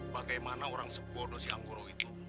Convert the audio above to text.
bagaimana orang sebodoh si angguro itu